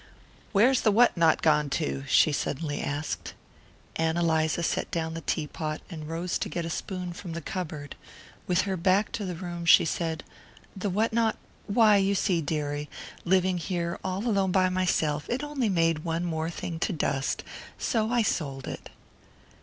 "Where's the what not gone to?" she suddenly asked. Ann Eliza set down the teapot and rose to get a spoon from the cupboard. With her back to the room she said: "The what not? Why, you see, dearie, living here all alone by myself it only made one more thing to dust; so I sold it."